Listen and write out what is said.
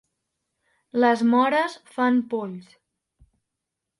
Les mores fan polls.